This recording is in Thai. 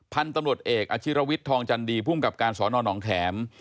พันธุ์ตำรวจเอกอาชิรวิตทองจันทร์ดีพุ่งกับการสอนอนองแถม